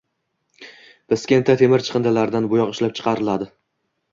Piskentda temir chiqindilardan bo‘yoq ishlab chiqariladi